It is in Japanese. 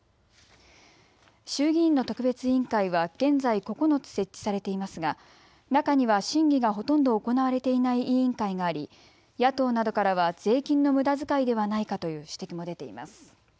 衆議院の特別委員会は現在、９つ設置されていますが中には審議がほとんど行われていない委員会があり野党などからは税金のむだづかいではないかという指摘も出ています。